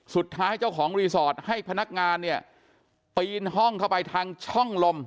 เจ้าของรีสอร์ทให้พนักงานเนี่ยปีนห้องเข้าไปทางช่องลม